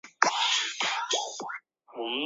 逢源东街是逢源区的东界。